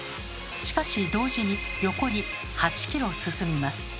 しかし同時に横に８ｋｍ進みます。